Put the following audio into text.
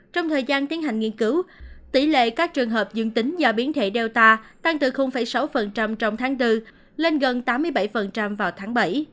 trong thời gian tiến hành nghiên cứu tỷ lệ các trường hợp dương tính do biến thể data tăng từ sáu trong tháng bốn lên gần tám mươi bảy vào tháng bảy